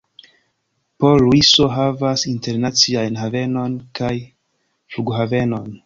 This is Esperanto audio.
Port-Luiso havas internaciajn havenon kaj flughavenon.